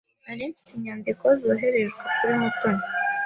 Nari mfite inyandiko zoherejwe kuri Mutoni.